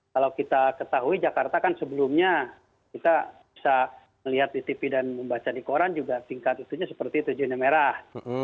kalau kita ketahui jakarta kan sebelumnya kita bisa melihat di tv dan membaca di koran juga tingkat itunya seperti itu zona merah